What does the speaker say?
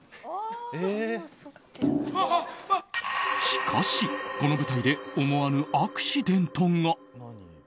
しかし、この舞台で思わぬアクシデントが。